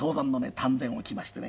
丹前を着ましてね